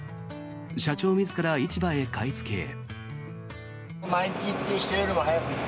社長自ら市場へ買いつけへ。